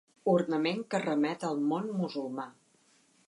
Ornament que remet al món musulmà.